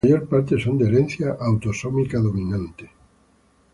La mayor parte son de herencia autosómica dominante.